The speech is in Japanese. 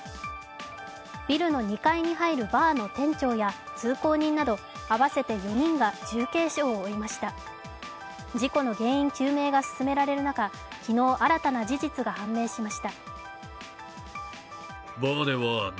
ビルの２階にあるバーの店長や通行人など合わせて４人が重軽傷を負いました事故の原因究明が進められる中、昨日新たな事実が判明しました。